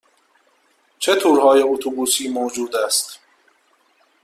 چه تورهای اتوبوسی موجود است؟